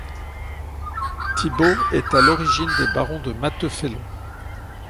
Thibault est à l'origine des barons de Mathefelon.